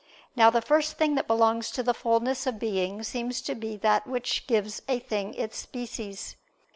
Now the first thing that belongs to the fulness of being seems to be that which gives a thing its species.